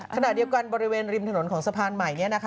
ขณะเดียวกันบริเวณริมถนนของสะพานใหม่